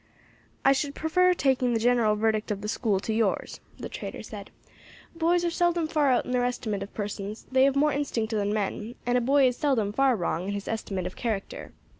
"I should prefer taking the general verdict of the School to yours," the trader said; "boys are seldom far out in their estimate of persons; they have more instinct than men, and a boy is seldom far wrong in his estimate of character.